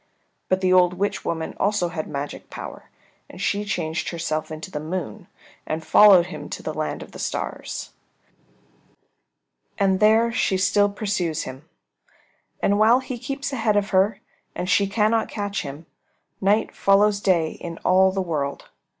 But the old witch woman also had magic power, and she changed herself into the Moon and followed him to the land of the stars. And there she still pursues him. And while he keeps ahead of her and she cannot catch him, night follows day in all the world.